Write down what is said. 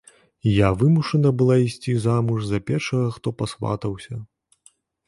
Я вымушана была ісці замуж за першага, хто пасватаўся.